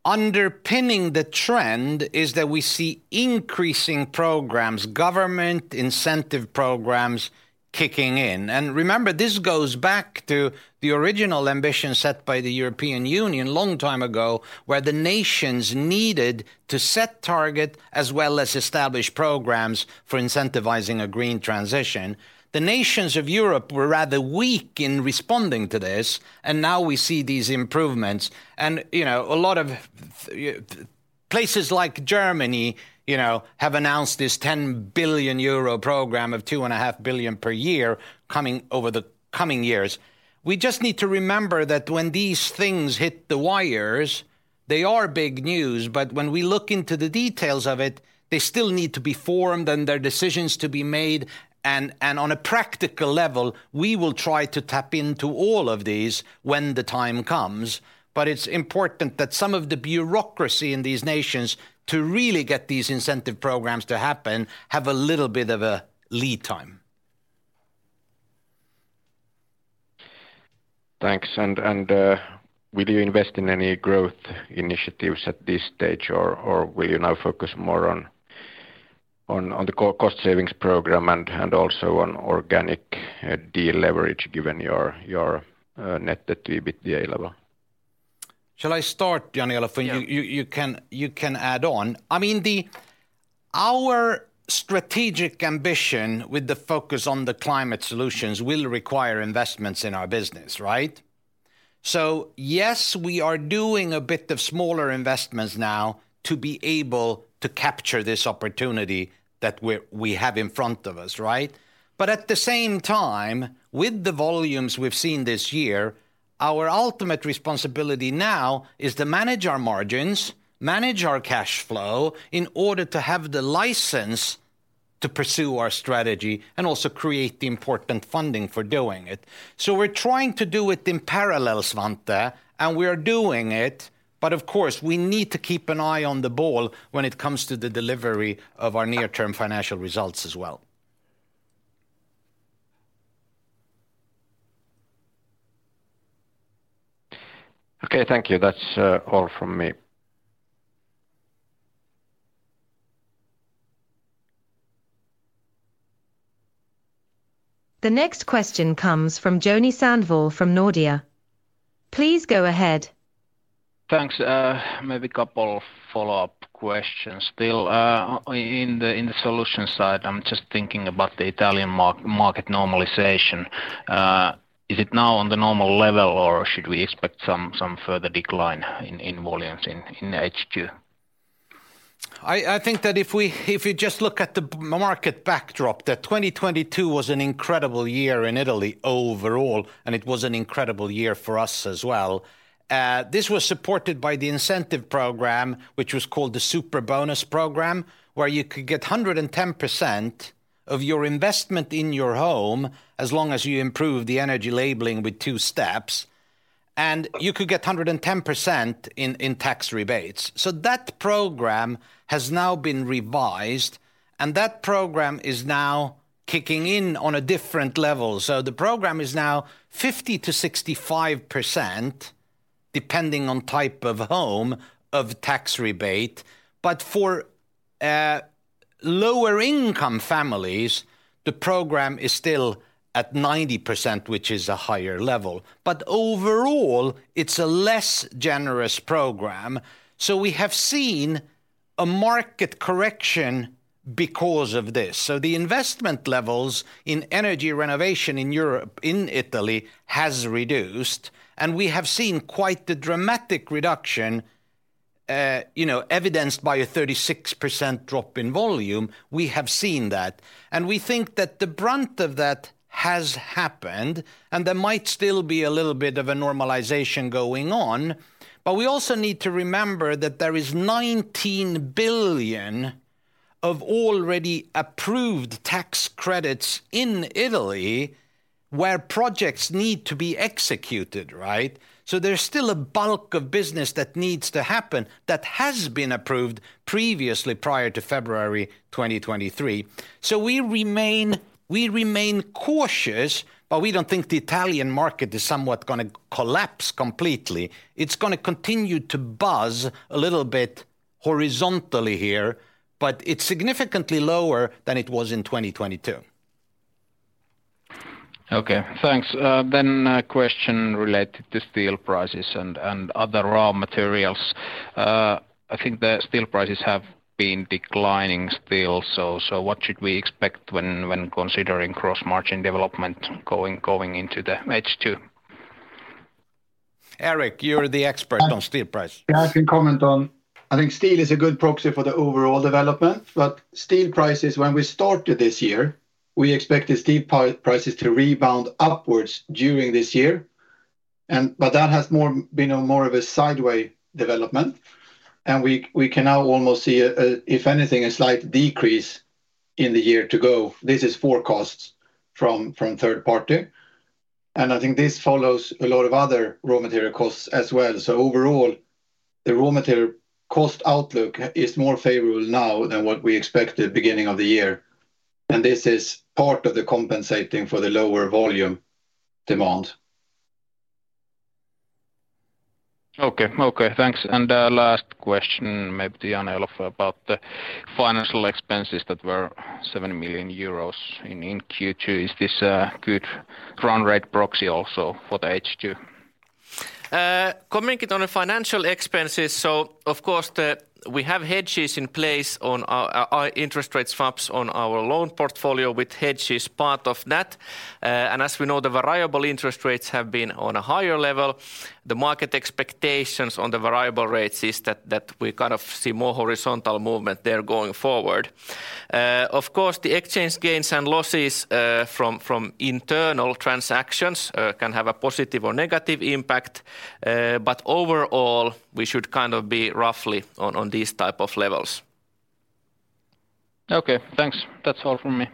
underpinning the trend is that we see increasing programs, government incentive programs kicking in. Remember, this goes back to the original ambition set by the European Union long time ago, where the nations needed to set target as well as establish programs for incentivizing a green transition. The nations of Europe were rather weak in responding to this, and now we see these improvements. You know, a lot of places like Germany, you know, have announced this 10 billion euro program of 2.5 billion per year coming over the coming years. We just need to remember that when these things hit the wires, they are big news, but when we look into the details of it, they still need to be formed and there are decisions to be made. On a practical level, we will try to tap into all of these when the time comes. It's important that some of the bureaucracy in these nations, to really get these incentive programs to happen, have a little bit of a lead time. Thanks. Will you invest in any growth initiatives at this stage or will you now focus more on the cost savings program and also on organic deleverage, given your net debt to EBITDA level? Shall I start, Jan-Elof? Yeah You can add on. I mean, our strategic ambition with the focus on the climate solutions will require investments in our business, right? Yes, we are doing a bit of smaller investments now to be able to capture this opportunity that we have in front of us, right? At the same time, with the volumes we've seen this year, our ultimate responsibility now is to manage our margins, manage our cash flow, in order to have the license to pursue our strategy and also create the important funding for doing it. We're trying to do it in parallel, Svante, and we are doing it, but of course, we need to keep an eye on the ball when it comes to the delivery of our near-term financial results as well. Okay, thank you. That's all from me. The next question comes from Joni Sandvall from Nordea. Please go ahead. Thanks. Maybe a couple follow-up questions. Still, in the solution side, I'm just thinking about the Italian market normalization. Is it now on the normal level, or should we expect some further decline in volumes in H2? I think that if you just look at the market backdrop, that 2022 was an incredible year in Italy overall, and it was an incredible year for us as well. This was supported by the incentive program, which was called the Superbonus program, where you could get 110% of your investment in your home, as long as you improve the energy labeling with two steps, and you could get 110% in tax rebates. That program has now been revised, and that program is now kicking in on a different level. The program is now 50%-65%, depending on type of home, of tax rebate. But for lower-income families, the program is still at 90%, which is a higher level. Overall, it's a less generous program. We have seen a market correction because of this. The investment levels in energy renovation in Europe, in Italy, has reduced, and we have seen quite the dramatic reduction, you know, evidenced by a 36% drop in volume. We have seen that. We think that the brunt of that has happened, and there might still be a little bit of a normalization going on. We also need to remember that there is 19 billion of already approved tax credits in Italy, where projects need to be executed, right? There's still a bulk of business that needs to happen that has been approved previously prior to February 2023. We remain cautious. We don't think the Italian market is somewhat gonna collapse completely. It's gonna continue to buzz a little bit horizontally here, but it's significantly lower than it was in 2022. Okay, thanks. Question related to steel prices and other raw materials. I think the steel prices have been declining still. What should we expect when considering gross margin development going into the H2? Erik, you're the expert on steel prices. Yeah, I can comment on. I think steel is a good proxy for the overall development, but steel prices, when we started this year, we expected steel prices to rebound upwards during this year, and but that has been a more of a sideways development, and we can now almost see a, if anything, a slight decrease in the year to go. This is forecasts from third-party, and I think this follows a lot of other raw material costs as well. Overall, the raw material cost outlook is more favorable now than what we expected beginning of the year, and this is part of the compensating for the lower volume demand. Okay. Okay, thanks. A last question, maybe to Janne or Olof, about the financial expenses that were 70 million euros in Q2. Is this a good run rate proxy also for the H2? Commenting on the financial expenses, of course, we have hedges in place on our interest rate swaps on our loan portfolio, with hedges part of that. As we know, the variable interest rates have been on a higher level. The market expectations on the variable rates is that we kind of see more horizontal movement there going forward. Of course, the exchange gains and losses, from internal transactions, can have a positive or negative impact. Overall, we should kind of be roughly on these type of levels. Okay, thanks. That's all from me.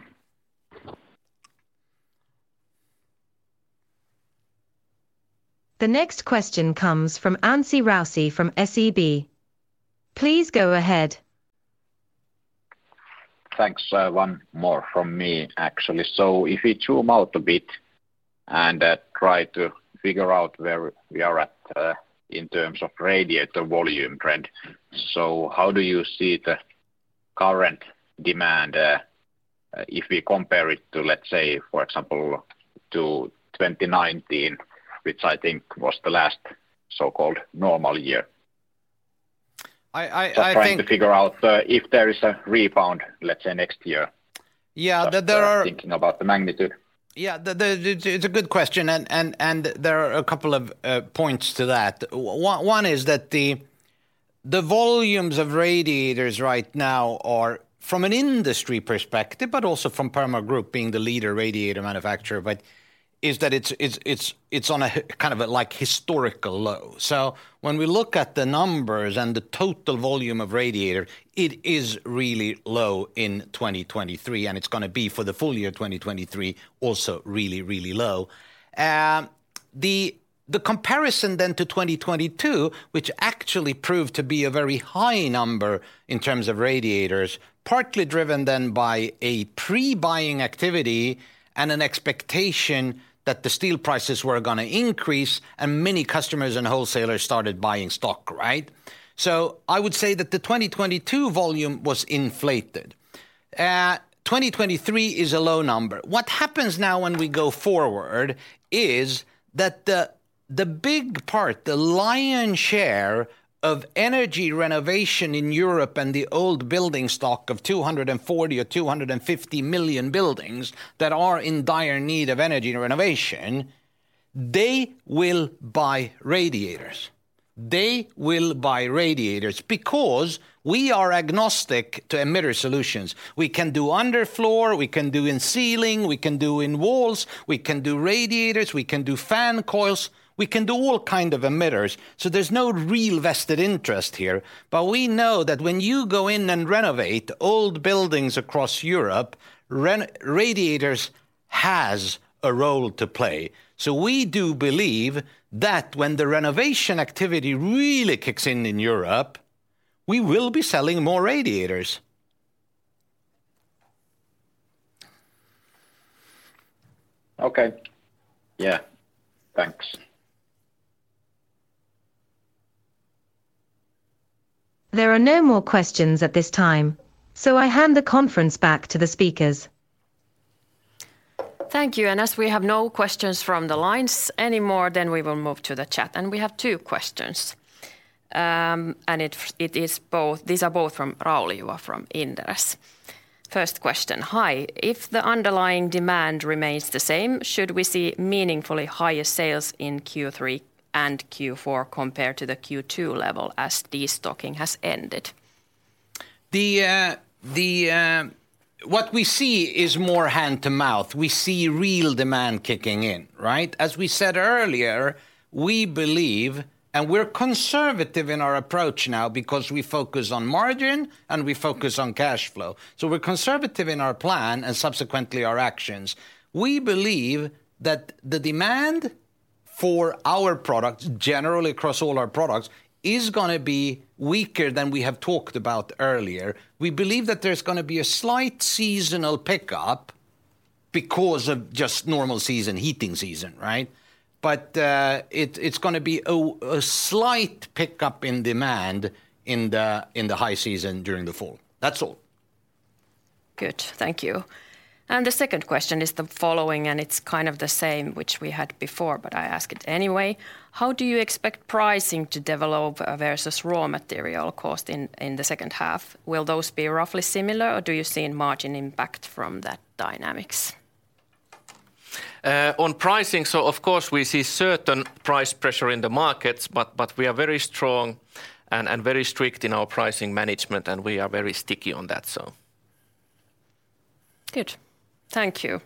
The next question comes from Anssi Raussi from SEB. Please go ahead. Thanks. one more from me, actually. If you zoom out a bit and, try to figure out where we are at, in terms of radiator volume trend, so how do you see the current demand, if we compare it to, let's say, for example, to 2019, which I think was the last so-called normal year? I. Just trying to figure out, if there is a rebound, let's say, next year. Yeah, that there are- Thinking about the magnitude. Yeah, it's a good question, and there are a couple of points to that. One is that the volumes of radiators right now are, from an industry perspective, but also from Purmo Group being the leader radiator manufacturer, but is that it's on a kind of a like historical low. When we look at the numbers and the total volume of radiator, it is really low in 2023, and it's gonna be for the full year 2023 also really low. The comparison then to 2022, which actually proved to be a very high number in terms of radiators, partly driven then by a pre-buying activity and an expectation that the steel prices were gonna increase, and many customers and wholesalers started buying stock, right? I would say that the 2022 volume was inflated. 2023 is a low number. What happens now when we go forward is that the big part, the lion's share of energy renovation in Europe and the old building stock of 240 million or 250 million buildings that are in dire need of energy renovation, they will buy radiators. They will buy radiators because we are agnostic to emitter solutions. We can do underfloor, we can do in ceiling, we can do in walls, we can do radiators, we can do fan coils, we can do all kind of emitters, so there's no real vested interest here. We know that when you go in and renovate old buildings across Europe, radiators has a role to play. We do believe that when the renovation activity really kicks in in Europe, we will be selling more radiators. Okay. Yeah, thanks. There are no more questions at this time. I hand the conference back to the speakers. Thank you. As we have no questions from the lines anymore, then we will move to the chat, and we have two questions. These are both from Rauli Juva from Inderes. First question: "Hi, if the underlying demand remains the same, should we see meaningfully higher sales in Q3 and Q4 compared to the Q2 level as destocking has ended? What we see is more hand-to-mouth. We see real demand kicking in, right? As we said earlier, we believe, and we're conservative in our approach now because we focus on margin, and we focus on cash flow, so we're conservative in our plan and subsequently our actions. We believe that the demand for our products, generally across all our products, is gonna be weaker than we have talked about earlier. We believe that there's gonna be a slight seasonal pickup because of just normal season, heating season, right? It's gonna be a slight pickup in demand in the high season during the fall. That's all. Good, thank you. The second question is the following, and it's kind of the same, which we had before, but I ask it anyway: "How do you expect pricing to develop versus raw material cost in the second half? Will those be roughly similar, or do you see a margin impact from that dynamics? On pricing, of course, we see certain price pressure in the markets, but we are very strong and very strict in our pricing management, and we are very sticky on that. Good. Thank you.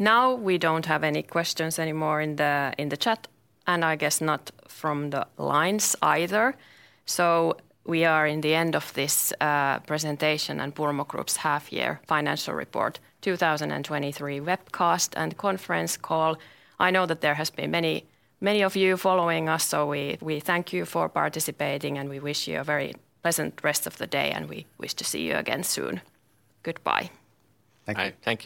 Now we don't have any questions anymore in the chat, and I guess not from the lines either. We are in the end of this presentation and Purmo Group's half-year financial report 2023 webcast and conference call. I know that there has been many, many of you following us. We thank you for participating, and we wish you a very pleasant rest of the day, and we wish to see you again soon. Goodbye. Thank you. Thank you.